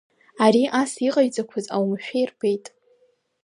Ари ас иҟасҵақәаз аумашәа ирбеит.